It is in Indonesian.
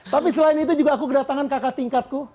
tapi selain itu juga aku kedatangan kakak tingkatku